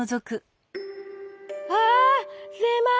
あせまい！